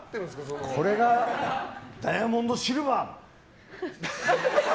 これがダイヤモンドシルバー！